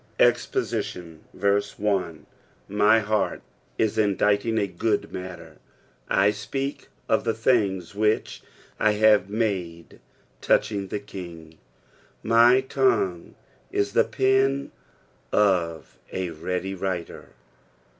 EXPOSITION, MY heart is inditing a good matter : I speak of the things which I have made touching the King : my tongue is the pen of a ready writer.